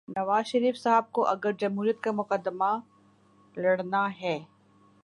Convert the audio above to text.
نواز شریف صاحب کو اگر جمہوریت کا مقدمہ لڑنا ہے۔